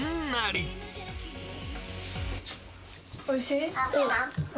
おいしい？